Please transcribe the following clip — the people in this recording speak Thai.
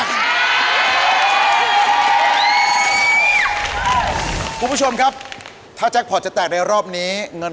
กดลุกไปเลย